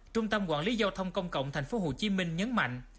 trung tâm quản lý giao thông công cộng tp hcm nhấn mạnh